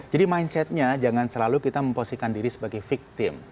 jadi mindsetnya jangan selalu kita mempositikan diri sebagai victim